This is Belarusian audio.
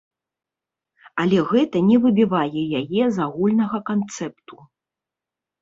Але гэта не выбівае яе з агульнага канцэпту.